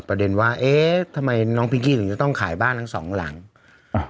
ประเด็นว่าเอ๊ะทำไมน้องพิงกี้ถึงจะต้องขายบ้านทั้งสองหลังอ่า